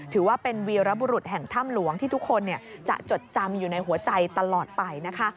ถือว่าเป็นวีรบุรุษแห่งถ้ำหลวงที่ทุกคนจะจดจำอยู่ในหัวใจตลอดไปนะคะ